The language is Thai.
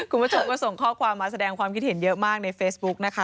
คุณผู้ชมก็ส่งข้อความมาแสดงความคิดเห็นเยอะมากในเฟซบุ๊กนะคะ